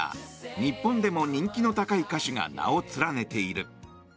日本でも人気の高い歌手が名を連ねている。